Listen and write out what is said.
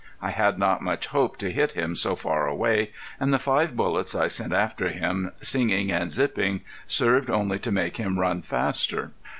I had not much hope to hit him so far away, and the five bullets I sent after him, singing and zipping, served only to make him run faster.